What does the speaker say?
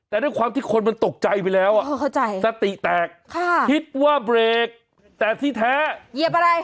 แต่ด้วยความที่คนมันตกใจไปแล้วสติแตกคิดว่าเบรกแต่ที่แท้เหยียบอะไร